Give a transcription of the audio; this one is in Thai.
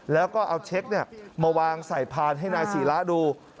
แล้วก็เอาเช็คมาวางใส่พานให้นายศีระดู